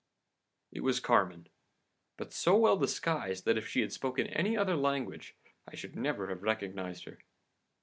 "It was Carmen, but so well disguised that if she had spoken any other language I should never have recognised her.